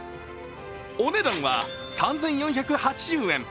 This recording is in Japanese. お値段は３４８０円。